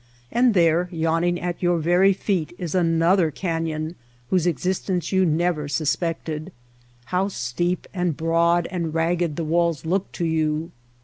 And there, yawning at yoar very feet, is another canyon whose existence you never sus pected. How steep and broad and ragged the walls look to you